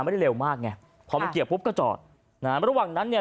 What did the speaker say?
เร็วมากไงพอมันเกี่ยวปุ๊บก็จอดนะฮะระหว่างนั้นเนี่ย